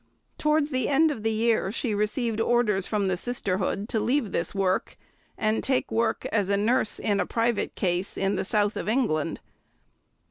Towards the end of the year she received orders from the sisterhood to leave this work and take work as a nurse in a private case in the South of England.